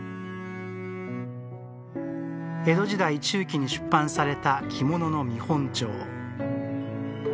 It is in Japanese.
江戸時代中期に出版された着物の見本帳。